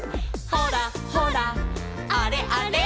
「ほらほらあれあれ」